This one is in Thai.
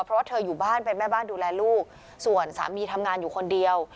เพราะว่าเธออยู่บ้านเป็นแม่บ้านดูแลลูกส่วนสามีทำงานอยู่คนเดียว